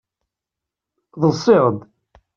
Ḍsiɣ-d.